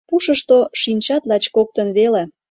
Пушышто шинчат лач коктын веле